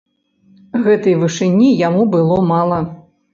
Гэтай вышыні яму было мала.